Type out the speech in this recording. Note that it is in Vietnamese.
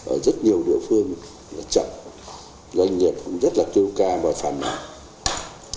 ở rất nhiều địa phương là chậm doanh nghiệp cũng rất là kêu ca và phản hồi